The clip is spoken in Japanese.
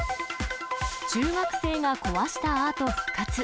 中学生が壊したアート復活。